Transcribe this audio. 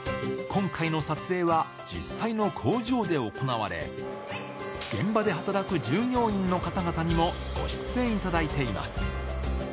今回の撮影は実際の工場で行われ、現場で働く従業員の方々にもご出演いただいています。